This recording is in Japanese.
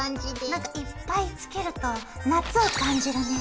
なんかいっぱいつけると夏を感じるね。